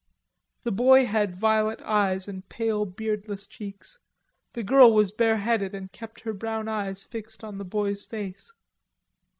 The boy had violet eyes and pale beardless cheeks; the girl was bareheaded and kept her brown eyes fixed on the boy's face.